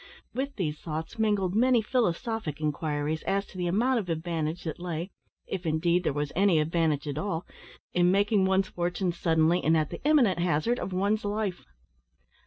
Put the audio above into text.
With these thoughts mingled many philosophic inquiries as to the amount of advantage that lay if, indeed, there was any advantage at all in making one's fortune suddenly and at the imminent hazard of one's life.